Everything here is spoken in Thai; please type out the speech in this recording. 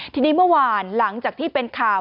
ทีนี้เมื่อวานหลังจากที่เป็นข่าว